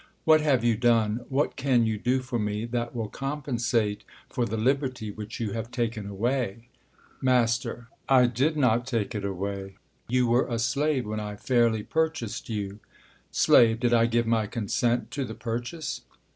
What have you done, what can you do for me, that will compensate for the liberty which you have taken away ? Mast. I did not take it away* You were a slave when I fairly purchased you» Slave. Did I give my consent to the purchase